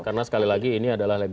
karena sekali lagi ini adalah